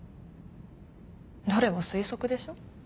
どれも推測でしょ？